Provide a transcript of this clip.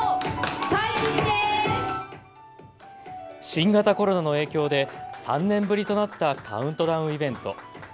新型コロナの影響で３年ぶりとなったカウントダウンイベント。